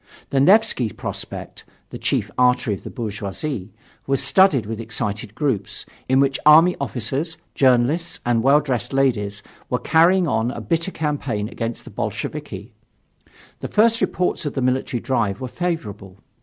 The Nevsky Prospect, the chief artery of the bourgeoisie, was studded with excited groups, in which army officers, journalists and well dressed ladies were carrying on a bitter campaign against the Bolsheviki. The first reports of the military drive were favorable.